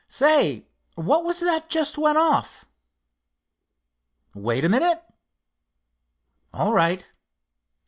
Say, what was that just went off? Wait a minute? All right."